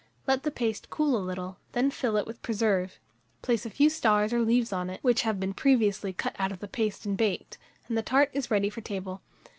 Let the paste cool a little; then fill it with preserve, place a few stars or leaves on it, which have been previously cut out of the paste and baked, and the tart is ready for table.